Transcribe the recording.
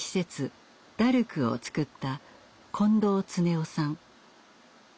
ダルクを作った近藤恒夫さん。